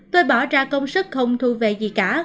tôi bỏ ra công sức không thu về gì cả